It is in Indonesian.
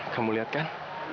kamu lihat kan